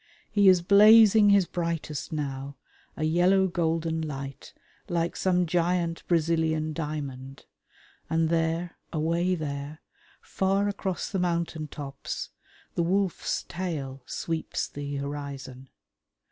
He is blazing his brightest now, a yellow golden light like some giant Brazilian diamond, and there, away there, far across the mountain tops, the Wolf's Tail sweeps the horizon.